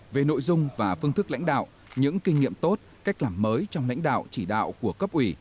về nội dung và phương thức lãnh đạo những kinh nghiệm tốt cách làm mới trong lãnh đạo chỉ đạo của cấp ủy